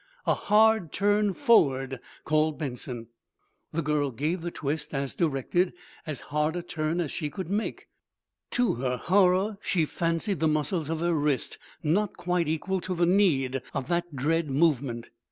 "A hard turn forward," called Benson. The girl gave the twist, as directed, as hard a turn as she could make. To her horror she fancied the muscles of her wrist not quite equal to the need of that dread movement.